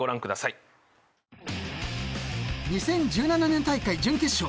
［２０１７年大会準決勝］